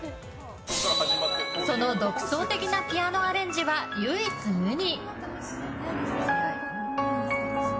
その独創的なピアノアレンジは唯一無二。